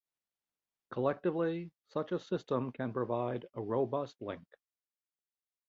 Collectively such a system can provide a robust link.